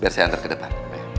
biar saya antar ke depan